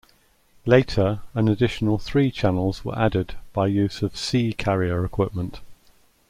Later, an additional three channels were added by use of C Carrier equipment.